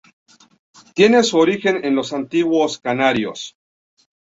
Tiene su origen en los antiguos canarios.